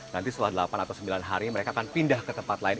nanti setelah delapan atau sembilan hari mereka akan pindah ke tempat lain